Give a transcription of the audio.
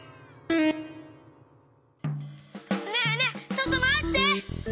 ねえねえちょっとまって！